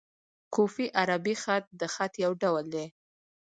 کوفي عربي خط؛ د خط یو ډول دﺉ.